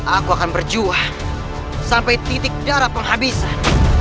aku akan berjuang sampai titik darah penghabisan